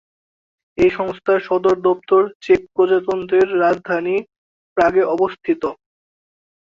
এই সংস্থার সদর দপ্তর চেক প্রজাতন্ত্রের রাজধানী প্রাগে অবস্থিত।